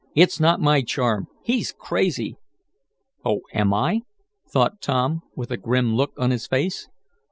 "It's not my charm. He's crazy!" "Oh, am I?" thought Tom, with a grim look on his face.